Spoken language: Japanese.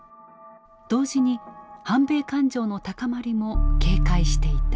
同時に反米感情の高まりも警戒していた。